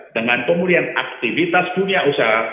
dengan pemulihan aktivitas dunia usaha